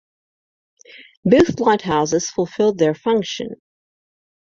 Both lighthouses fulfilled their function.